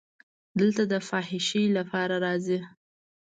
دلته د فحاشۍ لپاره راځي.